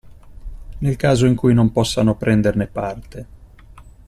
Nel caso in cui non possano prenderne parte.